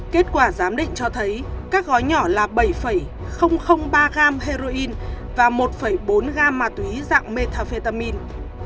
kết quả giám định cho thấy các gói nhỏ là bảy ba gram heroin và một bốn gam ma túy dạng metafetamin